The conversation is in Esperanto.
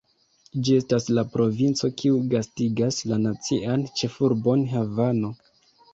Ĝi estas la provinco kiu gastigas la nacian ĉefurbon, Havano.